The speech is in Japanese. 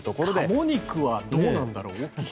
カモ肉はどうなんだろう。